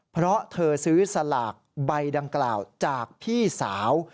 เพราะเธอซื้อสลากใบดังกล่าวจากพี่สาว